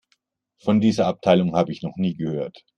Von dieser Abteilung habe ich noch nie gehört.